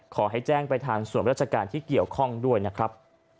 ขอให้แจ้งไปทางส่วนราชการที่เกี่ยวข้องด้วยนะครับ